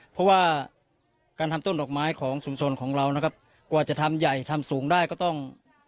เพราะว่าการทำต้นดอกไม้ของชุมชนของเรานะครับกว่าจะทำใหญ่ทำสูงได้ก็ต้อง